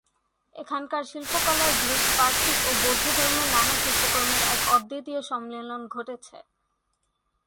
এখানকার শিল্পকলায় গ্রিক, পারসিক, ও বৌদ্ধধর্মের নানা শিল্পকর্মের এক অদ্বিতীয় সম্মিলন ঘটেছে।